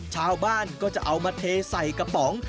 ชาวบ้านก็จะเอามาเทใส่กระป๋อง